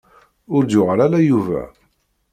Ur d-yuɣal ara Yuba.